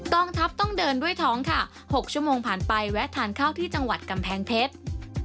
ทัพต้องเดินด้วยท้องค่ะ๖ชั่วโมงผ่านไปแวะทานข้าวที่จังหวัดกำแพงเพชร